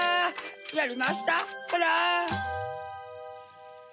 やりましたホラ。